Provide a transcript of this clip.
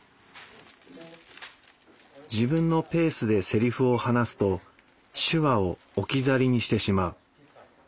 自分のペースでセリフを話すと手話を置き去りにしてしまう。